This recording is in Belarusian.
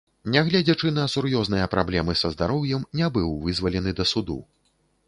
Нягледзячы на сур'ёзныя праблемы са здароўем, не быў вызвалены да суду.